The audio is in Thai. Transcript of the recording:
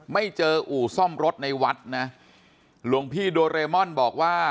ไม่เจออู่ซ่อมรถในวัดนะหลวงพี่โดเรมอนบอกว่า